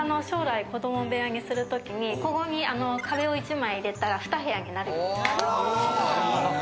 将来、子ども部屋にする時に、ここに壁を一枚入れたら２部屋になるように。